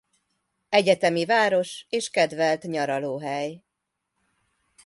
Egyetemi város és kedvelt nyaralóhely.